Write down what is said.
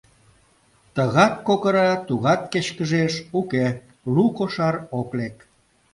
Тыгат кокыра, тугат кечкыжеш — уке, лу кошар ок лек.